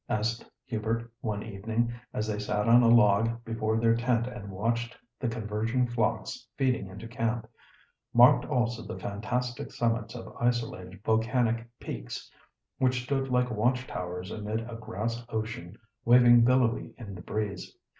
asked Hubert one evening, as they sat on a log before their tent and watched the converging flocks feeding into camp; marked also the fantastic summits of isolated volcanic peaks which stood like watch towers amid a grass ocean waving billowy in the breeze.